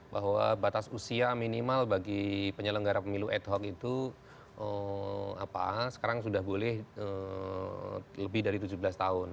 bahwa batas usia minimal bagi penyelenggara pemilu ad hoc itu sekarang sudah boleh lebih dari tujuh belas tahun